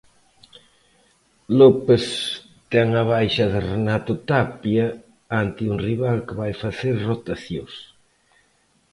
López ten a baixa de Renato Tapia ante un rival que vai facer rotacións.